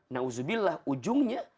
nah uzubillah ujungnya